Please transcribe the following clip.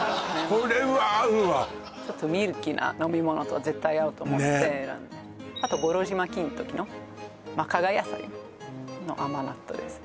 これは合うわちょっとミルキーな飲み物と絶対合うと思って選んであと五郎島金時のまっ加賀野菜の甘納豆です